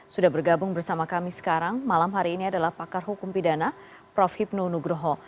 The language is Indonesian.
sudah bergabung bersama kami sekarang malam hari ini adalah pakar hukum pidana prof hipnu nugroho